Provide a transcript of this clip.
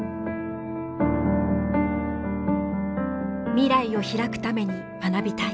未来を開くために学びたい。